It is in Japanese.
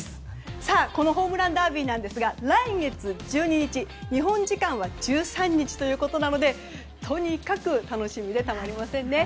さあ、このホームランダービーですが来月１２日日本時間は１３日ということなのでとにかく楽しみでたまりませんね。